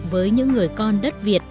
với những người con đất việt